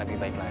lebih baik lagi